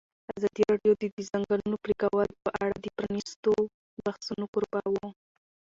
ازادي راډیو د د ځنګلونو پرېکول په اړه د پرانیستو بحثونو کوربه وه.